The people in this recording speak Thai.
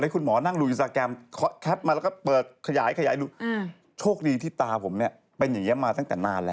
คุณหมอนั่งดูอินสตาแกรมแคปมาแล้วก็เปิดขยายดูโชคดีที่ตาผมเนี่ยเป็นอย่างนี้มาตั้งแต่นานแล้ว